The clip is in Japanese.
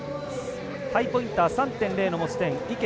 ハイポインター３．０の持ち点、池。